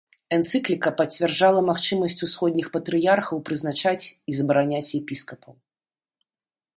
Энцыкліка пацвярджала магчымасць усходніх патрыярхаў прызначаць і забараняць епіскапаў.